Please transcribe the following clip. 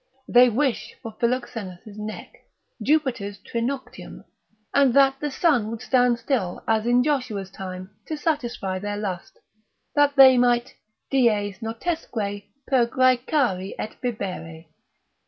They wish for Philoxenus' neck, Jupiter's trinoctium, and that the sun would stand still as in Joshua's time, to satisfy their lust, that they might dies noctesque pergraecari et bibere.